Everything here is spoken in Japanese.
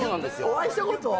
お会いしたことは？